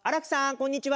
こんにちは！